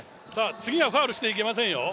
次はファウルしてはいけませんよ。